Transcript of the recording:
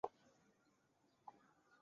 密毛岩蕨为岩蕨科岩蕨属下的一个种。